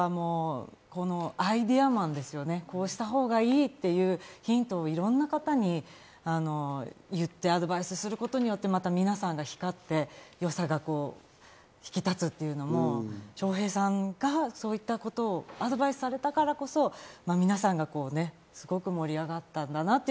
アイデアマンですよね、こうしたほうがいいっていうヒントもいろんな方にアドバイスすることによって、皆さんが光って、良さが引き立つっていうのも笑瓶さんがそういったことをアドバイスされたからこそ、皆さんがすごく盛り上がったんだなって。